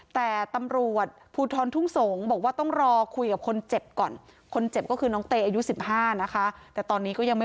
แต่ตำรวจภูทรทุ่งสงศ์บอกว่าต้องรอคุยกับคนเจ็บก่อน